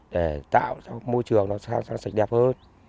để tạo cho môi trường nó sang sạch đẹp hơn